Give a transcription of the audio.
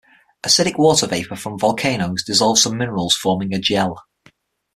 Acidic water vapor from volcanoes dissolved some minerals forming a gel.